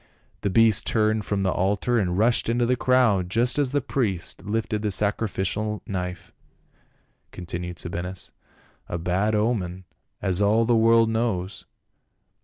"The beast turned from the altar and rushed into the crowd just as the priest lifted the sacrificial knife," continued Sabinus, "a bad omen, as all the world knows.